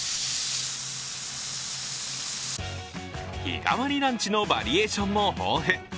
日替わりランチのバリエーションも豊富。